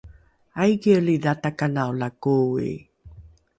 aikielidha takanao la koi?